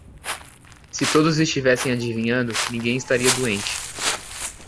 Se todos estivessem adivinhando, ninguém estaria doente.